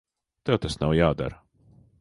Tev tas nav jādara.